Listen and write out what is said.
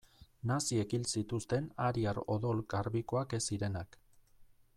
Naziek hil zituzten ariar odol garbikoak ez zirenak.